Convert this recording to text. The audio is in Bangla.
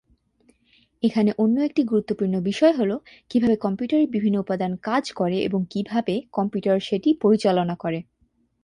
এখানে অন্য একটি গুরুত্বপূর্ণ বিষয় হল কিভাবে কম্পিউটারের বিভিন্ন উপাদান কাজ করে এবং কিভাবে কম্পিউটার সেটি পরিচালনা করে।